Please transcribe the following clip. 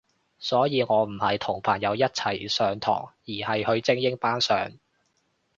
所以我唔係同朋友一齊上堂，而係去精英班上